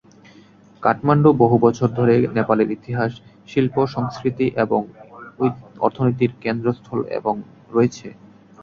কাঠমান্ডু বহু বছর ধরে নেপালের ইতিহাস, শিল্প, সংস্কৃতি এবং অর্থনীতির কেন্দ্রস্থল এবং রয়েছে।